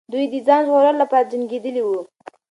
دوی د ځان ژغورلو لپاره جنګېدلې وو.